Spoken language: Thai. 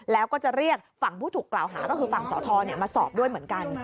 แล้วก็จะเรียกฝั่งผู้ถูกกล่าวหาก็คือฝั่งสทมาสอบด้วยเหมือนกัน